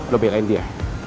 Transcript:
lo belain dia